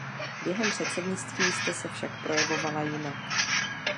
Během předsednictví jste se však projevovala jinak.